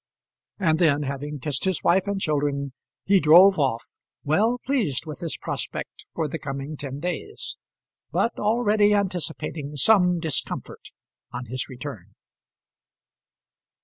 And then, having kissed his wife and children, he drove off, well pleased with his prospect for the coming ten days, but already anticipating some discomfort on his return.